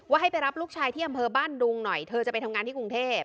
ให้ไปรับลูกชายที่อำเภอบ้านดุงหน่อยเธอจะไปทำงานที่กรุงเทพ